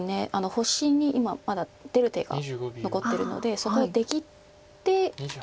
星に今まだ出る手が残ってるのでそこ出切って。